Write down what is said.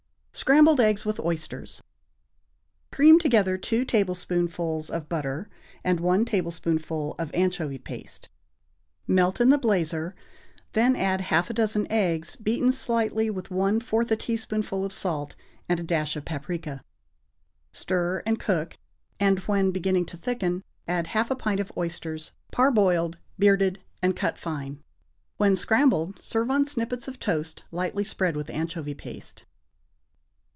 =Scrambled Eggs with Oysters.= Cream together two tablespoonfuls of butter and one tablespoonful of anchovy paste. Melt in the blazer, then add half a dozen eggs, beaten slightly with one fourth a teaspoonful of salt and a dash of paprica. Stir and cook, and, when beginning to thicken, add half a pint of oysters, parboiled, "bearded," and cut fine. When scrambled, serve on sippets of toast, lightly spread with anchovy paste.